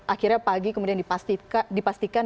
akhirnya pagi kemudian dipastikan